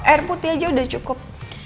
air putih aja udah cukup